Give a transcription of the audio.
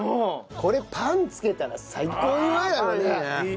これパンつけたら最高にうまいだろうねこれね。